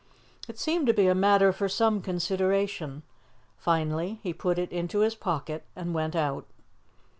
It seemed to be a matter for some consideration. Finally, he put it into his pocket and went out.